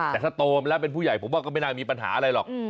แต่ถ้าโตมาแล้วเป็นผู้ใหญ่ผมว่าก็ไม่น่ามีปัญหาอะไรหรอก